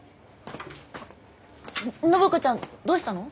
暢子ちゃんどうしたの？